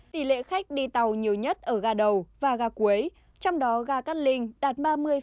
tỷ lệ khách đi tàu nhiều nhất ở ga đầu và ga cuối trong đó ga cát linh đạt ba mươi một